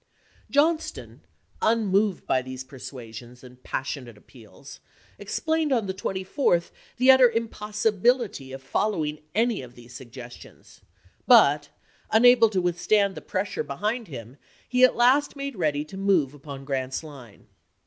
Johnston, unmoved by these persuasions and passionate appeals, explained, on the 24th, the utter impossibility of following any of these suggestions ; but, unable to withstand the pressure behind him, he at last made ready to move upon Grant's line.